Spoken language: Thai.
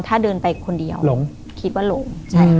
ถ้าเดินไปคนเดียวหลงคิดว่าหลง